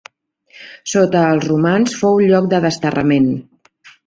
Sota els romans fou lloc de desterrament.